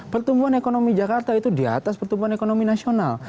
pertumbuhan ekonomi jakarta itu di atas pertumbuhan ekonomi nasional